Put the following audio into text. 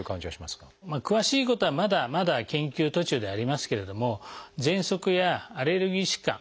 詳しいことはまだまだ研究途中ではありますけれどもぜんそくやアレルギー疾患